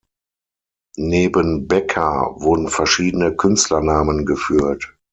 Neben „Becker“ wurden verschiedene Künstlernamen geführt.